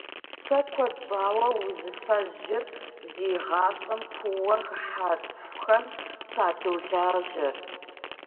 Сэ куэд щӏауэ узыфэжьыр зи гъащӏэм куууэ хыхьа цӏыхухэм садолажьэр.